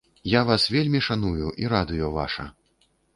Я вас вельмі шаную, і радыё ваша.